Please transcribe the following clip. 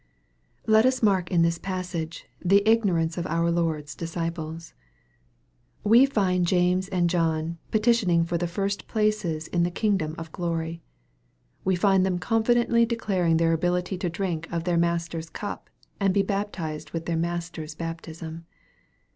LET us mark in this passage, the ignorance of our Lord's disciples. We find James and John petitioning for the first places in the kingdom of glory. We find them confidently declaring their ability to drink of their Mas ter's cup and be baptized with their Master's baptism.